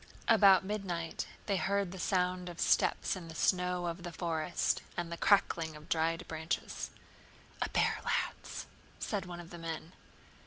About midnight they heard the sound of steps in the snow of the forest, and the crackling of dry branches. "A bear, lads," said one of the men.